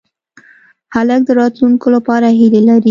هلک د راتلونکې لپاره هیلې لري.